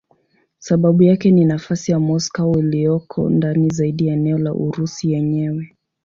Sababu yake ni nafasi ya Moscow iliyoko ndani zaidi ya eneo la Urusi yenyewe.